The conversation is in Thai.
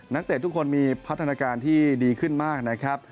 เตะทุกคนมีพัฒนาการที่ดีขึ้นมากนะครับ